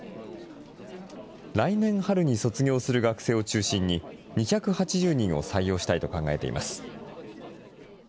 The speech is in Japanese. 来年春に卒業する学生を中心に、２８０人を採用したいと考えています。